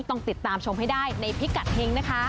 ต้องติดตามชมให้ได้ในพิกัดเฮงนะคะ